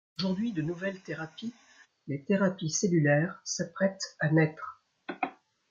Aujourd'hui, de nouvelles thérapies, les thérapies cellulaires, s'apprêtent à naître.